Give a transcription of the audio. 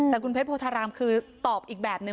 แต่คุณเพชรโพธารามคือตอบอีกแบบนึง